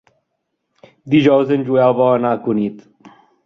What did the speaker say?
Dijous en Joel vol anar a Cunit.